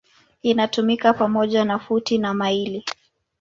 Inatumika pamoja na futi na maili.